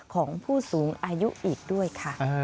ของผู้สูงอายุอีกด้วยค่ะ